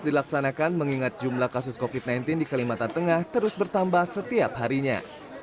dilaksanakan mengingat jumlah kasus copy tenting di kalimantan tengah terus bertambah setiap harinya